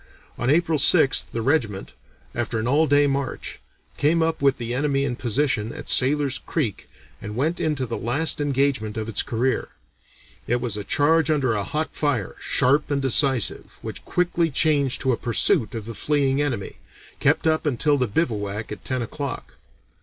On April 6th the regiment, after an all day march, came up with the enemy in position at Sailor's Creek, and went into the last engagement of its career. It was a charge under a hot fire, sharp and decisive, which quickly changed to a pursuit of the fleeing enemy, kept up until the bivouack at ten o'clock.